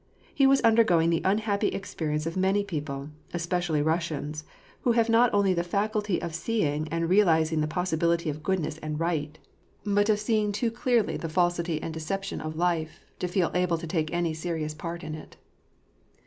He was luider going the unhappy experience of many ^)eople, especially Rus sians, who have not only the faculty of seeing and realizing the possibility of goodness and right, but of seeing too clearly WAR AND PEACE. Sll the falsity and deception of life, to feel able to take any serious part in it.